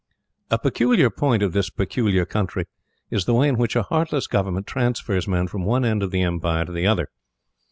A peculiar point of this peculiar country is the way in which a heartless Government transfers men from one end of the Empire to the other.